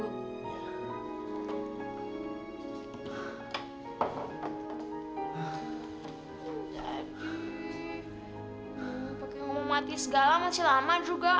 tapi pokoknya mau mati segala masih lama juga